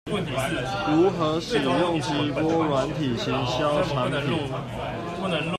如何使用直播軟體行銷產品